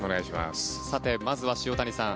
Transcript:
さて、まずは塩谷さん。